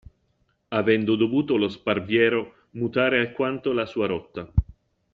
Avendo dovuto lo Sparviero mutare alquanto la sua rotta.